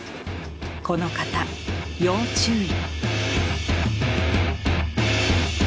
この方要注意。